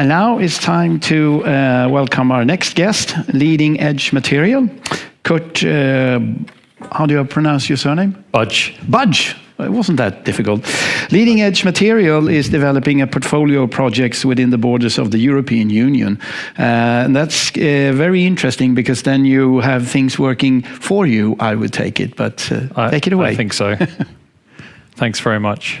Now it's time to welcome our next guest, Leading Edge Materials. Kurt, how do you pronounce your surname? Budge. Budge. It wasn't that difficult. Leading Edge Materials is developing a portfolio of projects within the borders of the European Union. That's very interesting because then you have things working for you, I would take it, but take it away. I think so. Thanks very much.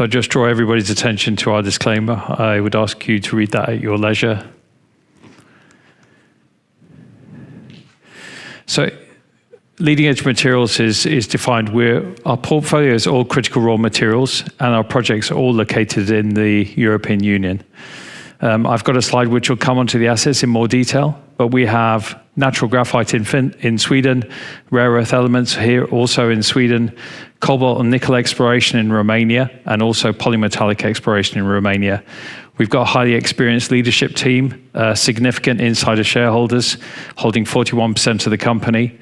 I just draw everybody's attention to our disclaimer. I would ask you to read that at your leisure. Leading Edge Materials is defined where our portfolio is all critical raw materials and our projects are all located in the European Union. I've got a slide which will come on to the assets in more detail, but we have natural graphite in Sweden, rare earth elements here also in Sweden, cobalt and nickel exploration in Romania, and also polymetallic exploration in Romania. We've got a highly experienced leadership team, significant insider shareholders holding 41% of the company,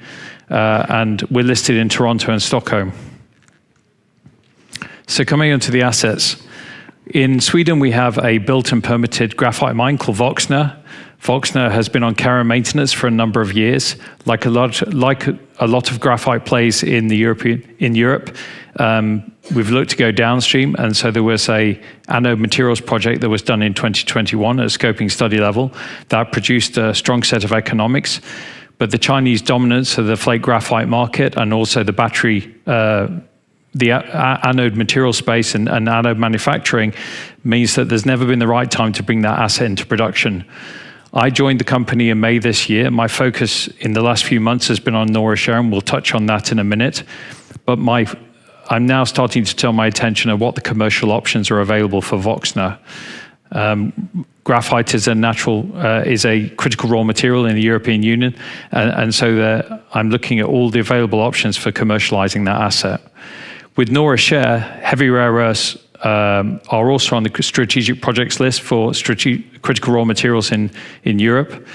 and we're listed in Toronto and Stockholm. Coming on to the assets. In Sweden, we have a built and permitted graphite mine called Woxna. Woxna has been on care and maintenance for a number of years, like a lot of graphite plays in Europe. We've looked to go downstream, and so there was an anode materials project that was done in 2021 at a scoping study level that produced a strong set of economics. The Chinese dominance of the flake graphite market and also the battery, the anode material space and anode manufacturing means that there's never been the right time to bring that asset into production. I joined the company in May this year. My focus in the last few months has been on Norra Kärr. We'll touch on that in a minute. I'm now starting to turn my attention to what the commercial options are available for Woxna. Graphite is a critical raw material in the European Union, and so I'm looking at all the available options for commercializing that asset. With Norra Kärr, heavy rare earths are also on the strategic projects list for critical raw materials in Europe.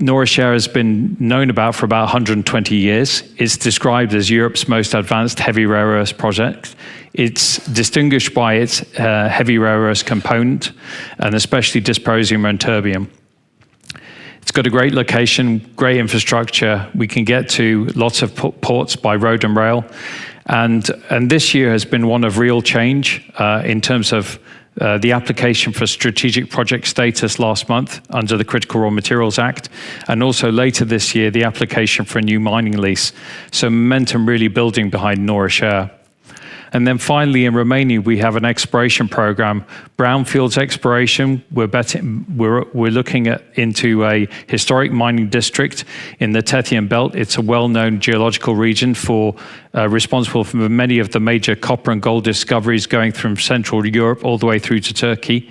Norra Kärr has been known about for about 120 years. It's described as Europe's most advanced heavy rare earth project. It's distinguished by its heavy rare earth component and especially dysprosium and terbium. It's got a great location, great infrastructure. We can get to lots of ports by road and rail. And this year has been one of real change in terms of the application for Strategic Project status last month under the Critical Raw Materials Act, and also later this year the application for a new mining lease. So momentum really building behind Norra Kärr. Then finally, in Romania, we have an exploration program, brownfields exploration. We're looking into a historic mining district in the Tethyan Belt. It's a well-known geological region responsible for many of the major copper and gold discoveries going from central Europe all the way through to Turkey.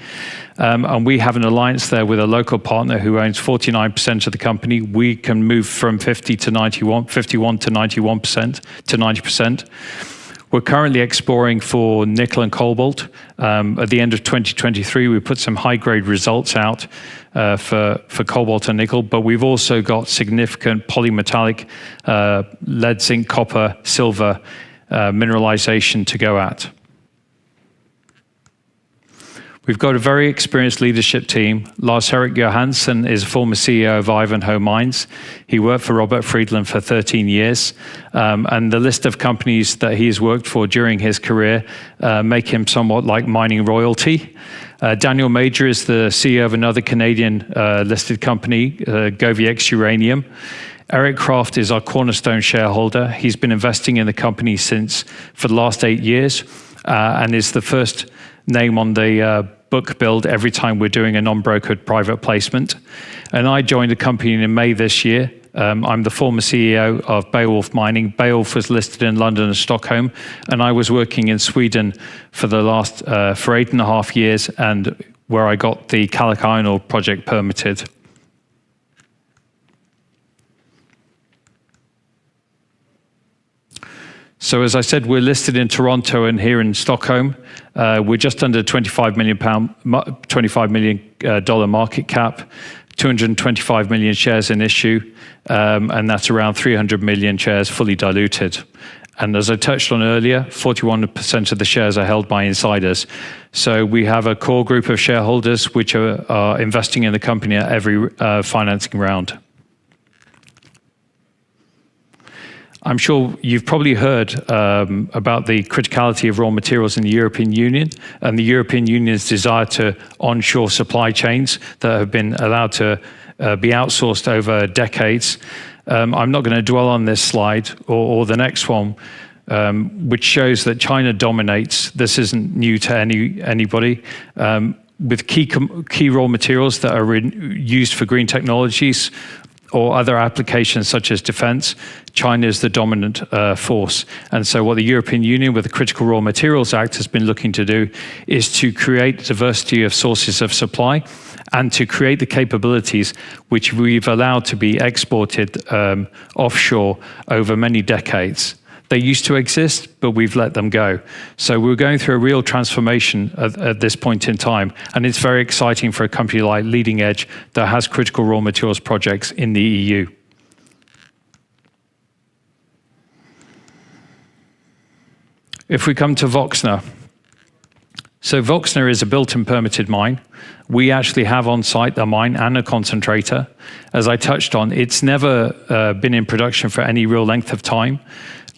We have an alliance there with a local partner who owns 49% of the company. We can move from 51%-90%. We're currently exploring for nickel and cobalt. At the end of 2023, we put some high-grade results out for cobalt and nickel, but we've also got significant polymetallic, lead, zinc, copper, silver mineralization to go at. We've got a very experienced leadership team. Lars-Eric Johansson is a former CEO of Ivanhoe Mines. He worked for Robert Friedland for 13 years, and the list of companies that he has worked for during his career makes him somewhat like mining royalty. Daniel Major is the CEO of another Canadian listed company, GoviEx Uranium. Eric Krafft is our cornerstone shareholder. He's been investing in the company for the last eight years and is the first name on the book build every time we're doing a non-brokered private placement. I joined the company in May this year. I'm the former CEO of Beowulf Mining. Beowulf was listed in London and Stockholm, and I was working in Sweden for the last eight and a half years and where I got the Kallak Iron Ore project permitted. As I said, we're listed in Toronto and here in Stockholm. We're just under CAD 25 million market cap, 225 million shares in issue, and that's around 300 million shares fully diluted. As I touched on earlier, 41% of the shares are held by insiders. We have a core group of shareholders which are investing in the company at every financing round. I'm sure you've probably heard about the criticality of raw materials in the European Union and the European Union's desire to onshore supply chains that have been allowed to be outsourced over decades. I'm not going to dwell on this slide or the next one, which shows that China dominates. This isn't new to anybody. With key raw materials that are used for green technologies or other applications such as defense, China is the dominant force, and so what the European Union, with the Critical Raw Materials Act, has been looking to do is to create diversity of sources of supply and to create the capabilities which we've allowed to be exported offshore over many decades. They used to exist, but we've let them go, so we're going through a real transformation at this point in time, and it's very exciting for a company like Leading Edge Materials that has critical raw materials projects in the EU. If we come to Woxna, so Woxna is a built and permitted mine. We actually have on site the mine and a concentrator. As I touched on, it's never been in production for any real length of time.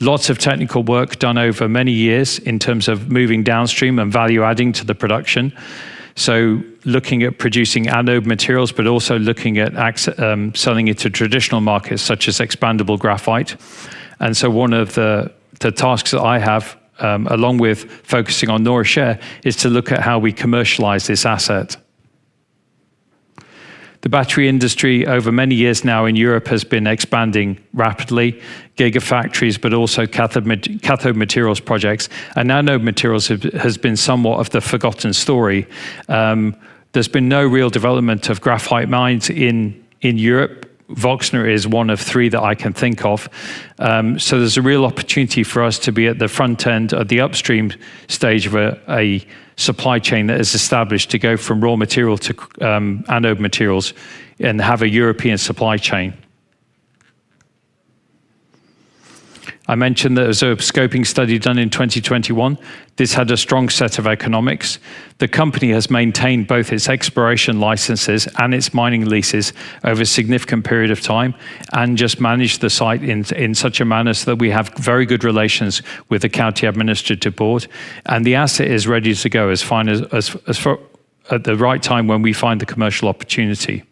Lots of technical work done over many years in terms of moving downstream and value adding to the production. Looking at producing anode materials, but also looking at selling it to traditional markets such as expandable graphite. One of the tasks that I have, along with focusing on Norra Kärr, is to look at how we commercialize this asset. The battery industry over many years now in Europe has been expanding rapidly, gigafactories, but also cathode materials projects, and anode materials has been somewhat of the forgotten story. There's been no real development of graphite mines in Europe. Woxna is one of three that I can think of. There's a real opportunity for us to be at the front end of the upstream stage of a supply chain that is established to go from raw material to anode materials and have a European supply chain. I mentioned there was a scoping study done in 2021. This had a strong set of economics. The company has maintained both its exploration licenses and its mining leases over a significant period of time and just managed the site in such a manner that we have very good relations with the County Administrative Board, and the asset is ready to go at the right time when we find the commercial opportunity.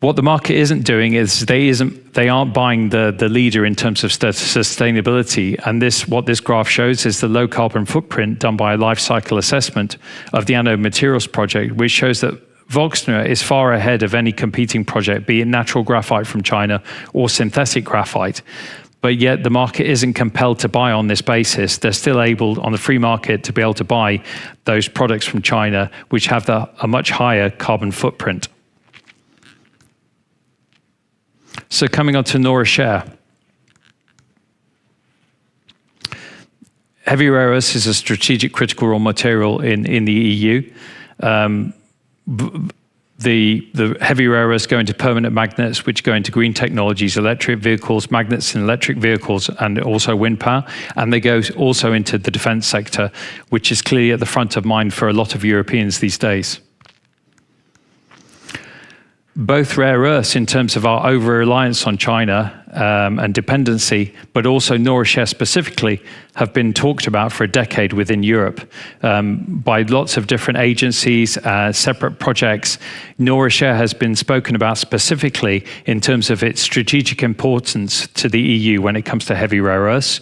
What the market isn't doing is they aren't buying the leader in terms of sustainability. What this graph shows is the low carbon footprint done by a life cycle assessment of the anode materials project, which shows that Woxna is far ahead of any competing project, be it natural graphite from China or synthetic graphite. Yet the market isn't compelled to buy on this basis, they're still able on the free market to be able to buy those products from China which have a much higher carbon footprint. Coming on to Norra Kärr. Heavy rare earths is a strategic critical raw material in the EU. The heavy rare earths go into permanent magnets which go into green technologies, electric vehicles, magnets in electric vehicles, and also wind power. They go also into the defense sector, which is clearly at the front of mind for a lot of Europeans these days. Both rare earths in terms of our overreliance on China and dependency, but also Norra Kärr specifically, have been talked about for a decade within Europe by lots of different agencies, separate projects. Norra Kärr has been spoken about specifically in terms of its strategic importance to the EU when it comes to heavy rare earths,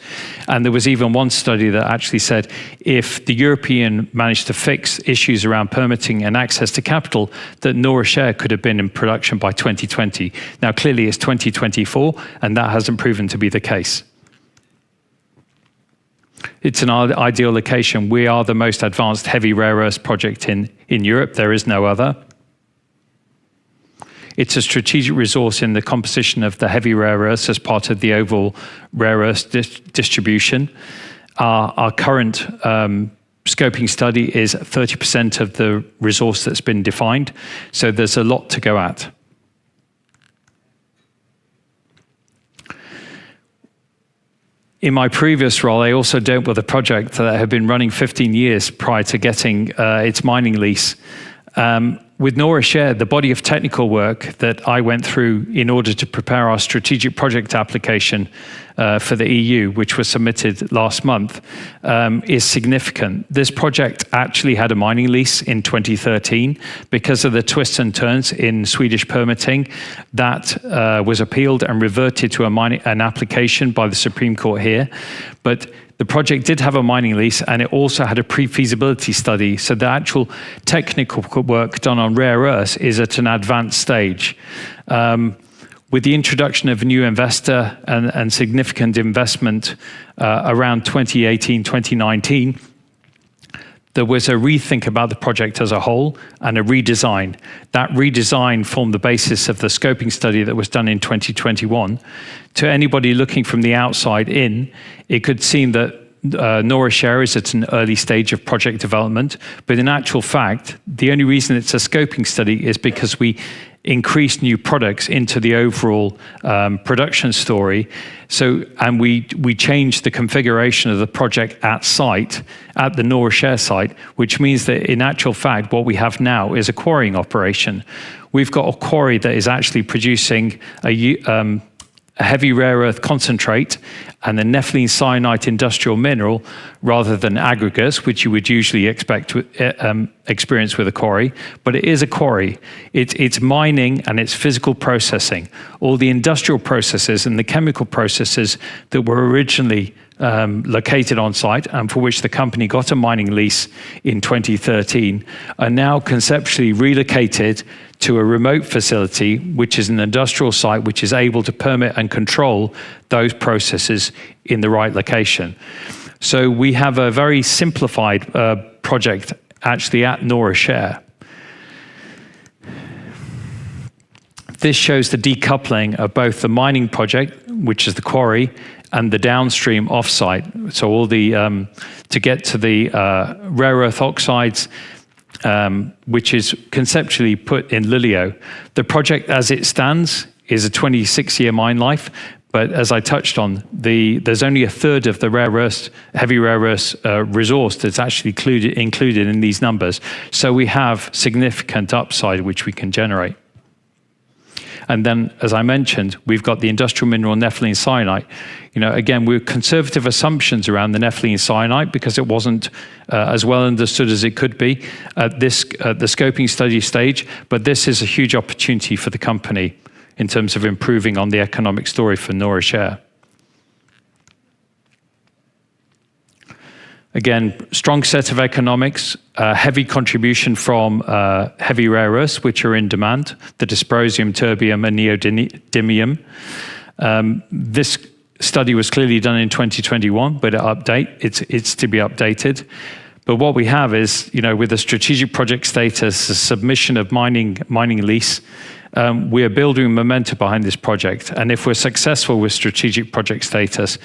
and there was even one study that actually said if Europe managed to fix issues around permitting and access to capital, that Norra Kärr could have been in production by 2020. Now, clearly it's 2024, and that hasn't proven to be the case. It's an ideal location. We are the most advanced heavy rare earth project in Europe. There is no other. It's a strategic resource in the composition of the heavy rare earths as part of the overall rare earth distribution. Our current scoping study is 30% of the resource that's been defined, so there's a lot to go at. In my previous role, I also dealt with a project that had been running 15 years prior to getting its mining lease. With Norra Kärr, the body of technical work that I went through in order to prepare our strategic project application for the EU, which was submitted last month, is significant. This project actually had a mining lease in 2013 because of the twists and turns in Swedish permitting that was appealed and reverted to an application by the Supreme Court here, but the project did have a mining lease, and it also had a pre-feasibility study so the actual technical work done on rare earths is at an advanced stage. With the introduction of a new investor and significant investment around 2018, 2019, there was a rethink about the project as a whole and a redesign. That redesign formed the basis of the scoping study that was done in 2021. To anybody looking from the outside in, it could seem that Norra Kärr is at an early stage of project development, but in actual fact, the only reason it's a scoping study is because we increased new products into the overall production story. And we changed the configuration of the project at site, at the Norra Kärr site, which means that in actual fact, what we have now is a quarrying operation. We've got a quarry that is actually producing a heavy rare earth concentrate and a nepheline syenite industrial mineral rather than aggregates, which you would usually expect to experience with a quarry but it is a quarry. It's mining and it's physical processing. All the industrial processes and the chemical processes that were originally located on site and for which the company got a mining lease in 2013 are now conceptually relocated to a remote facility, which is an industrial site which is able to permit and control those processes in the right location. So we have a very simplified project actually at Norra Kärr. This shows the decoupling of both the mining project, which is the quarry, and the downstream offsite. So all the to get to the rare earth oxides, which is conceptually put in Luleå. The project as it stands is a 26-year mine life, but as I touched on, there's only a third of the heavy rare earth resource that's actually included in these numbers. So we have significant upside which we can generate. And then, as I mentioned, we've got the industrial mineral nepheline syenite. Again, we're conservative assumptions around the nepheline syenite because it wasn't as well understood as it could be at the scoping study stage, but this is a huge opportunity for the company in terms of improving on the economic story for Norra Kärr. Again, strong set of economics, heavy contribution from heavy rare earths which are in demand, the dysprosium, terbium, and neodymium. This study was clearly done in 2021, but it updates. It's to be updated. What we have is, with a strategic project status, a submission of mining lease, we are building momentum behind this project. And if we're successful with strategic project status,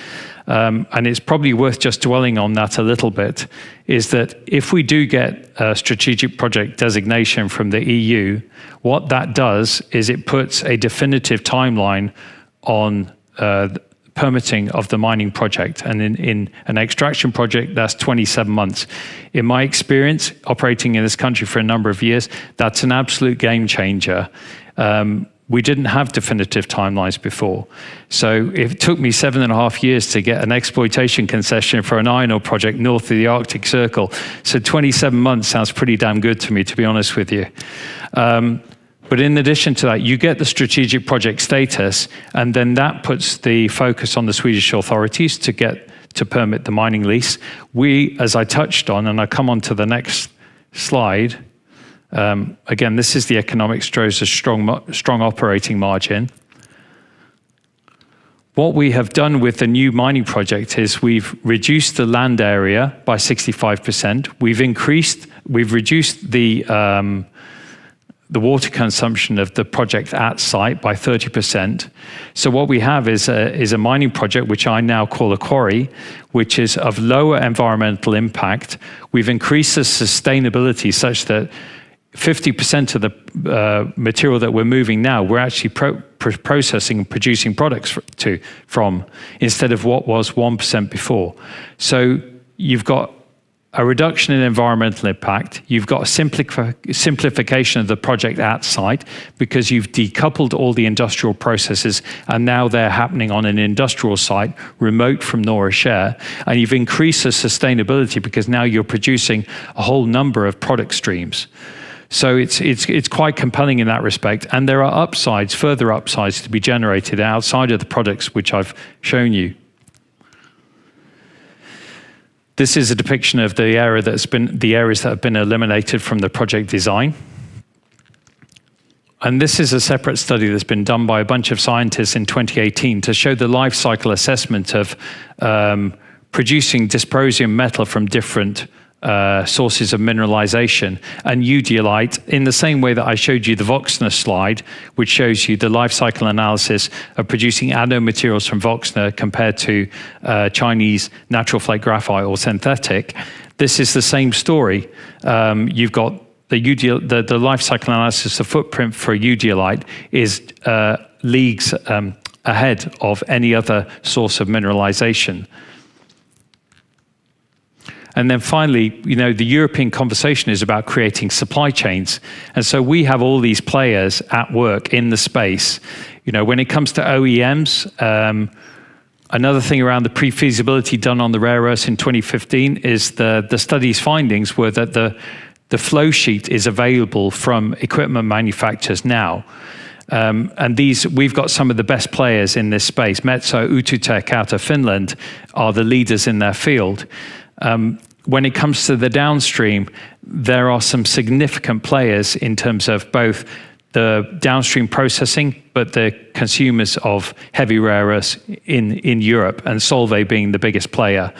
and it's probably worth just dwelling on that a little bit, is that if we do get a strategic project designation from the EU, what that does is it puts a definitive timeline on permitting of the mining project. In an extraction project, that's 27 months. In my experience operating in this country for a number of years, that's an absolute game changer. We didn't have definitive timelines before. It took me seven and a half years to get an exploitation concession for an iron ore project north of the Arctic Circle. 27 months sounds pretty damn good to me, to be honest with you. In addition to that, you get the strategic project status, and then that puts the focus on the Swedish authorities to get to permit the mining lease. We, as I touched on, and I come on to the next slide. Again, this is the economically strong operating margin. What we have done with the new mining project is we've reduced the land area by 65%. We've reduced the water consumption of the project at site by 30%. What we have is a mining project, which I now call a quarry, which is of lower environmental impact. We've increased the sustainability such that 50% of the material that we're moving now, we're actually processing and producing products from instead of what was 1% before, so you've got a reduction in environmental impact. You've got a simplification of the project at site because you've decoupled all the industrial processes, and now they're happening on an industrial site remote from Norra Kärr. You've increased the sustainability because now you're producing a whole number of product streams. So it's quite compelling in that respect. There are further upsides to be generated outside of the products which I've shown you. This is a depiction of the areas that have been eliminated from the project design. This is a separate study that's been done by a bunch of scientists in 2018 to show the life cycle assessment of producing dysprosium metal from different sources of mineralization and eudialyte in the same way that I showed you the Woxna slide, which shows you the life cycle analysis of producing anode materials from Woxna compared to Chinese natural flake graphite or synthetic. This is the same story. You've got the life cycle analysis of footprint for eudialyte leagues ahead of any other source of mineralization. Then finally, the European conversation is about creating supply chains. And so we have all these players at work in the space. When it comes to OEMs, another thing around the pre-feasibility done on the rare earths in 2015 is the study's findings were that the flow sheet is available from equipment manufacturers now. We've got some of the best players in this space. Metso Outotec out of Finland are the leaders in their field. When it comes to the downstream, there are some significant players in terms of both the downstream processing, but the consumers of heavy rare earths in Europe, and Solvay being the biggest player.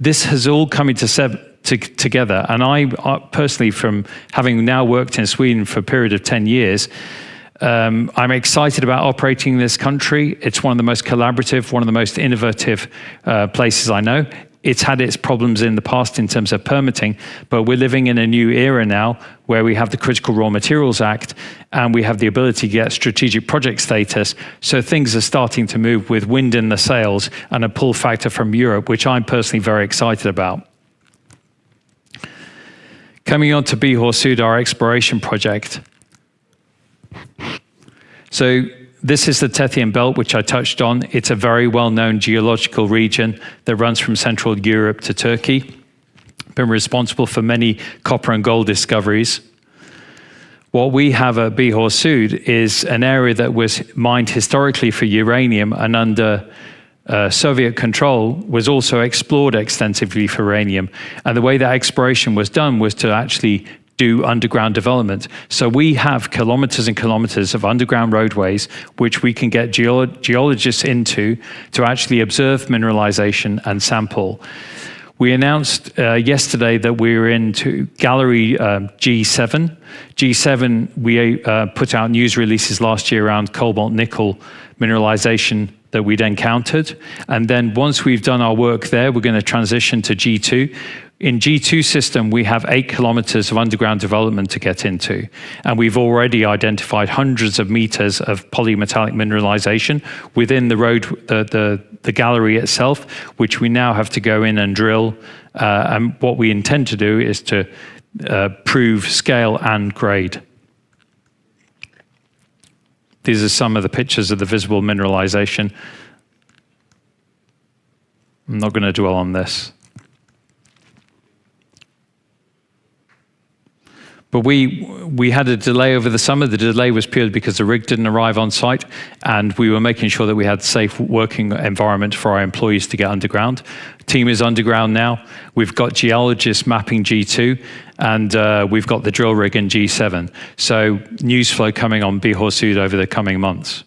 This has all come together. I personally, from having now worked in Sweden for a period of 10 years, I'm excited about operating in this country. It's one of the most collaborative, one of the most innovative places I know. It's had its problems in the past in terms of permitting, but we're living in a new era now where we have the Critical Raw Materials Act, and we have the ability to get Strategic Project status. Things are starting to move with wind in the sails and a pull factor from Europe, which I'm personally very excited about. Coming on to Bihor Sud Exploration Project. So this is the Tethyan Belt, which I touched on. It's a very well-known geological region that runs from central Europe to Turkey. Been responsible for many copper and gold discoveries. What we have at Bihor Sud is an area that was mined historically for uranium and under Soviet control was also explored extensively for uranium. The way that exploration was done was to actually do underground development. So we have kilometers and kilometers of underground roadways which we can get geologists into to actually observe mineralization and sample. We announced yesterday that we were into Gallery G7. G7, we put out news releases last year around cobalt nickel mineralization that we'd encountered. Then once we've done our work there, we're going to transition to G2. In G2 system, we have eight kilometers of underground development to get into. We've already identified hundreds of meters of polymetallic mineralization within the gallery itself, which we now have to go in and drill. What we intend to do is to prove scale and grade. These are some of the pictures of the visible mineralization. I'm not going to dwell on this. We had a delay over the summer. The delay was purely because the rig didn't arrive on site, and we were making sure that we had a safe working environment for our employees to get underground. Team is underground now. We've got geologists mapping G2, and we've got the drill rig in G7. News flow coming on Bihor Sud over the coming months.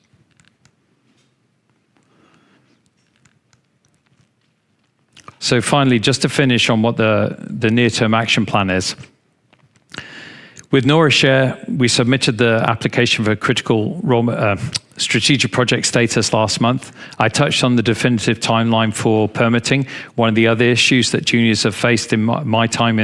Finally, just to finish on what the near-term action plan is. With Norra Kärr, we submitted the application for Strategic Project status last month. I touched on the definitive timeline for permitting. One of the other issues that juniors have faced in my time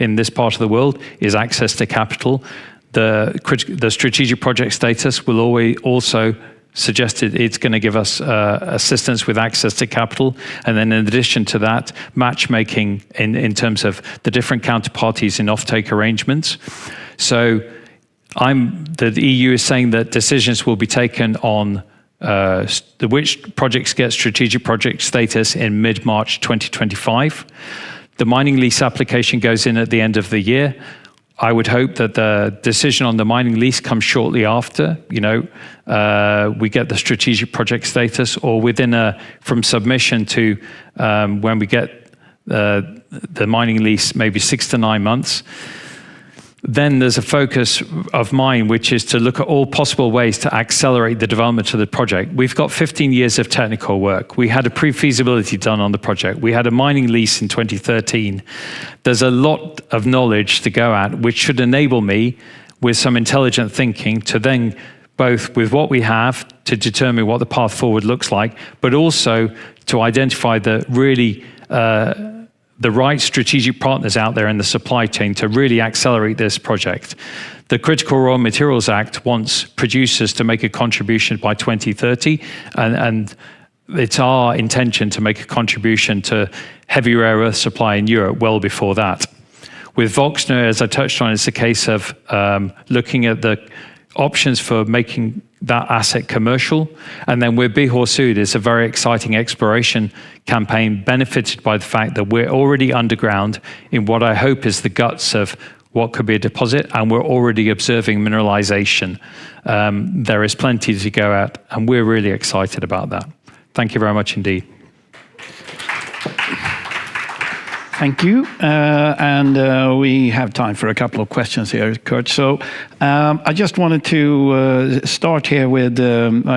in this part of the world is access to capital. The Strategic Project status will also suggest it's going to give us assistance with access to capital. And then in addition to that, matchmaking in terms of the different counterparties in offtake arrangements. So the EU is saying that decisions will be taken on which projects get Strategic Project status in mid-March 2025. The mining lease application goes in at the end of the year. I would hope that the decision on the mining lease comes shortly after we get the Strategic Project status or from submission to when we get the mining lease, maybe six to nine months. Then there's a focus of mine, which is to look at all possible ways to accelerate the development of the project. We've got 15 years of technical work. We had a pre-feasibility done on the project. We had a mining lease in 2013. There's a lot of knowledge to go at, which should enable me, with some intelligent thinking, to then both with what we have to determine what the path forward looks like, but also to identify the right strategic partners out there in the supply chain to really accelerate this project. The Critical Raw Materials Act wants producers to make a contribution by 2030, and it's our intention to make a contribution to heavy rare earth supply in Europe well before that. With Woxna, as I touched on, it's a case of looking at the options for making that asset commercial, and then with Bihor Sud is a very exciting exploration campaign benefited by the fact that we're already underground in what I hope is the guts of what could be a deposit, and we're already observing mineralization. There is plenty to go at, and we're really excited about that. Thank you very much indeed. Thank you, and we have time for a couple of questions here, Kurt, so I just wanted to start here with,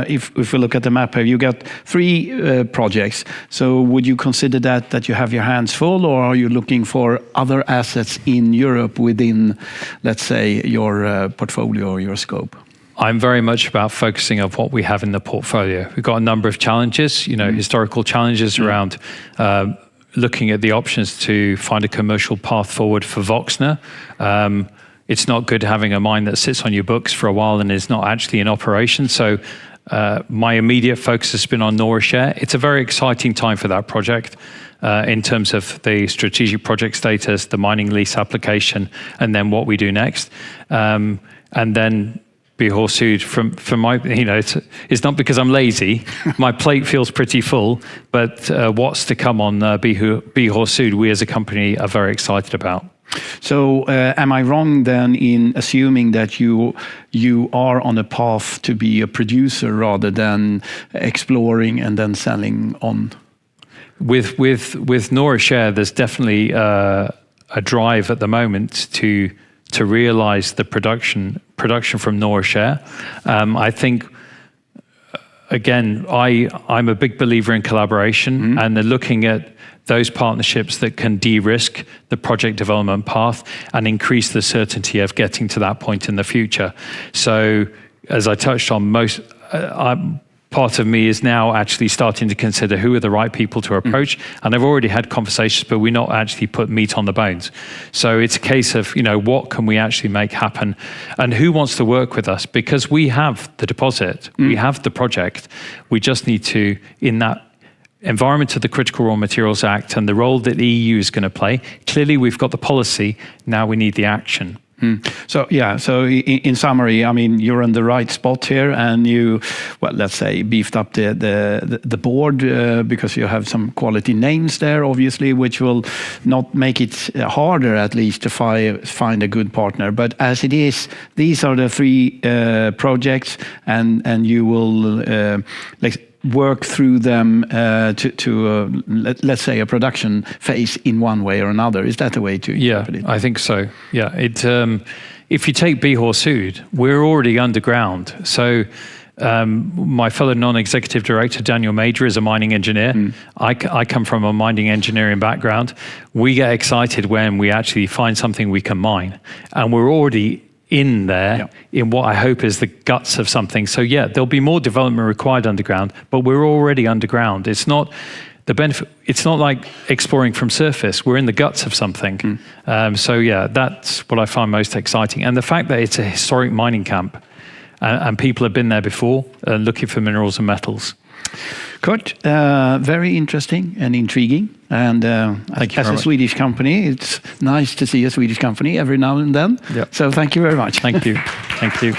if we look at the map, you got three projects. Would you consider that you have your hands full, or are you looking for other assets in Europe within, let's say, your portfolio or your scope? I'm very much about focusing on what we have in the portfolio. We've got a number of challenges, historical challenges around looking at the options to find a commercial path forward for Woxna. It's not good having a mine that sits on your books for a while and is not actually in operation so, my immediate focus has been on Norra Kärr. It's a very exciting time for that project in terms of the Strategic Project status, the mining lease application, and then what we do next. Then Bihor Sud, is not because I'm lazy. My plate feels pretty full, but what's to come on Bihor Sud we as a company are very excited about. So am I wrong then in assuming that you are on a path to be a producer rather than exploring and then selling on? With Norra Kärr, there's definitely a drive at the moment to realize the production from Norra Kärr. I think, again, I'm a big believer in collaboration, and they're looking at those partnerships that can de-risk the project development path and increase the certainty of getting to that point in the future, so as I touched on, part of me is now actually starting to consider who are the right people to approach, and I've already had conversations, but we're not actually putting meat on the bones, so it's a case of what can we actually make happen and who wants to work with us? Because we have the deposit. We have the project. We just need to, in that environment of the Critical Raw Materials Act and the role that the EU is going to play, clearly we've got the policy. Now we need the action. So yeah, so in summary, I mean, you're in the right spot here, and you, well, let's say, beefed up the board because you have some quality names there, obviously, which will not make it harder, at least, to find a good partner but as it is, these are the three projects, and you will work through them to, let's say, a production phase in one way or another. Is that the way to put it? Yeah, I think so. Yeah. If you take Bihor Sud, we're already underground. So my fellow non-executive director, Daniel Major, is a mining engineer. I come from a mining engineering background. We get excited when we actually find something we can mine. And we're already in there in what I hope is the guts of something. So yeah, there'll be more development required underground, but we're already underground. It's not like exploring from surface. We're in the guts of something. So yeah, that's what I find most exciting, and the fact that it's a historic mining camp and people have been there before looking for minerals and metals. Kurt, very interesting and intriguing. As a Swedish company, it's nice to see a Swedish company every now and then. Thank you very much. Thank you. Thank you.